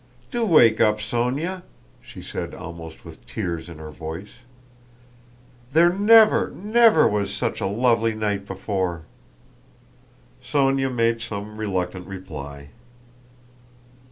Do wake up, Sónya!" she said almost with tears in her voice. "There never, never was such a lovely night before!" Sónya made some reluctant reply.